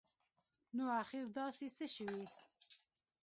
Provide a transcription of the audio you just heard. نو اخیر داسي څه شوي